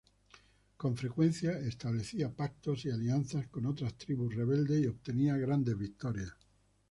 Con frecuencia establecía pactos y alianzas con otras tribus rebeldes y obtenía grandes victorias.